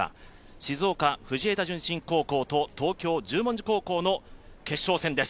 静岡・藤枝順心高校と東京・十文字高校の決勝戦です。